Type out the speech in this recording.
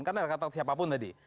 karena ada kata siapapun tadi